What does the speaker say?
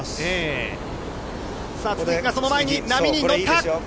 都筑がその前に波に乗った。